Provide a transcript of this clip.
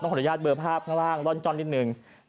ขออนุญาตเบอร์ภาพล่อนจ่อนนิดนึง